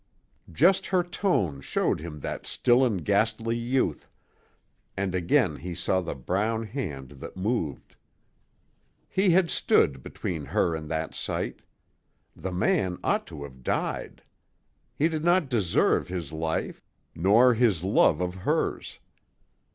Just her tone showed him that still and ghastly youth, and again he saw the brown hand that moved. He had stood between her and that sight. The man ought to have died. He did not deserve his life nor this love of hers.